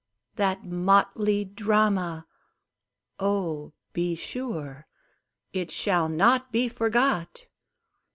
That motley drama oh, be sure It shall not be forgot!